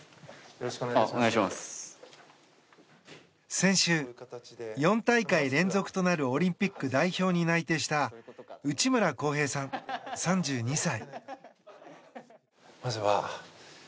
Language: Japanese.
先週、４大会連続となるオリンピック代表に内定した内村航平さん、３２歳。